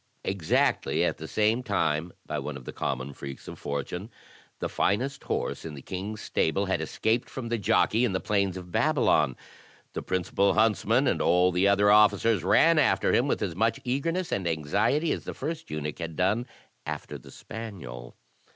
Exactly at the same time, by one of the common freaks of fortime, the finest horse in the king's stable had escaped from the jockey in the plains of Babylon. The principal huntsman and all the other officers ran after him with as much eagerness and anxiety as the first eunuch had done after the spaniel.